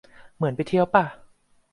เหมือนไปเที่ยวป่ะ